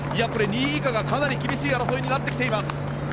２位以下がかなり厳しい争いになってきています。